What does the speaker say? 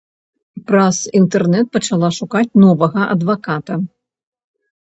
Праз інтэрнэт пачала шукаць новага адваката.